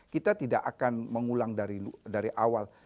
kita tidak akan mengulang dari awal